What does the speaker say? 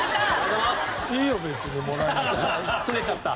すねちゃった。